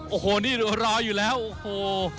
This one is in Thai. โอ้โหนี่รออยู่แล้วโอ้โห